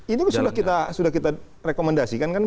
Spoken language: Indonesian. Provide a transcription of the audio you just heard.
ini sudah kita rekomendasikan kan